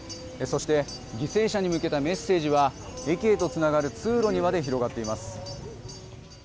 そして犠牲者に向けたメッセージは駅へとつながる通路にまで広がっています。